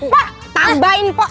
wah tambah ini pak